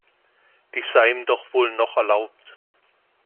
Dies sei ihm doch wohl noch erlaubt.